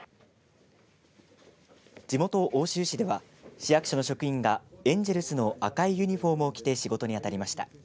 地元、奥州市では市役所の職員がエンジェルスの赤いユニフォームを着て仕事にあたりました。